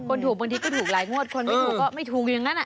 คนถูกบางทีก็ถูกหลายงวดคนไม่ถูกก็ไม่ถูกอย่างนั้น